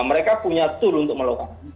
mereka punya tool untuk melakukan